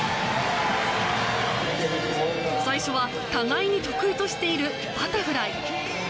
最初は互いに得意としているバタフライ。